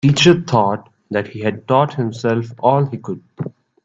The teacher thought that he'd taught himself all he could.